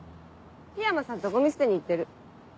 緋山さんとゴミ捨てに行ってる。